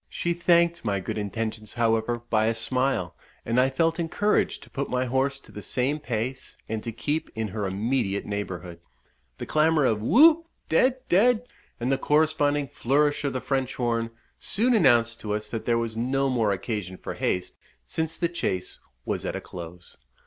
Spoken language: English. She thanked my good intentions, however, by a smile, and I felt encouraged to put my horse to the same pace, and to keep in her immediate neighbourhood. The clamour of "Whoop! dead! dead!" and the corresponding flourish of the French horn, soon announced to us that there was no more occasion for haste, since the chase was at a close.